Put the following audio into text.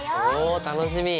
おお楽しみ！